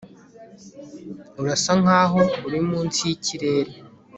urasa nkaho uri munsi yikirere